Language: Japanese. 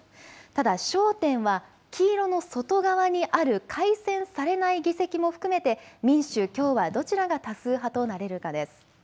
ただ焦点は黄色の外側にある改選されない議席も含めて民主、共和、どちらが多数派となれるかです。